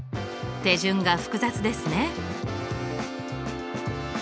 手順が複雑ですね。